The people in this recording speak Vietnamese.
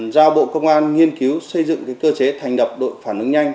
giao bộ công an nghiên cứu xây dựng cơ chế thành đập đội phản ứng nhanh